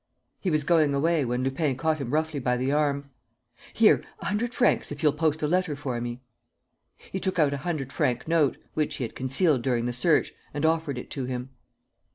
He was going away, when Lupin caught him roughly by the arm: "Here! A hundred francs if you'll post a letter for me." He took out a hundred franc note, which he had concealed during the search, and offered it to him.